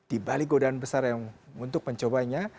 di balik godaan besar yang untuk mencobanya